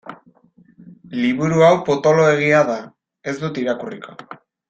Liburu hau potoloegia da, ez dut irakurriko.